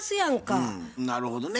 なるほどね。